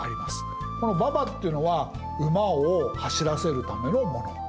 この馬場っていうのは馬を走らせるためのもの。